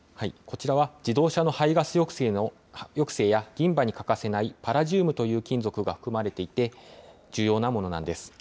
こちらは自動車の排ガス抑制や、銀歯に欠かせないパラジウムという金属が含まれていて、重要なものなんです。